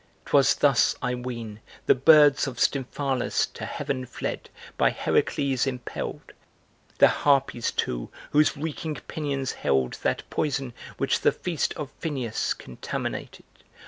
'Twas thus, I ween, the birds of Stymphalus To heaven fled, by Herakles impelled; The Harpies, too, whose reeking pinions held That poison which the feast of Phineus Contaminated.